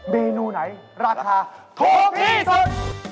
เมนูไหนราคาถูกที่สุด